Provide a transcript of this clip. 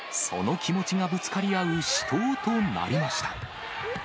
気持ちがぶつかり合う死闘となりました。